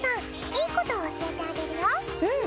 いいことを教えてあげるよ。